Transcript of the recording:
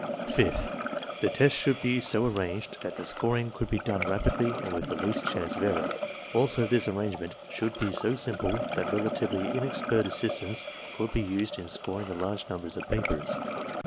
Fifth, the test should be so arranged that the scoring J could be done rapidly and with the least chance of error. Also, this arrangement should be so simple that relatively inexpert assistance could be used in scoring the large numbers of papers.